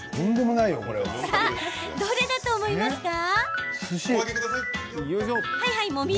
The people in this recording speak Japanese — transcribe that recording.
さあ、どれだと思いますか？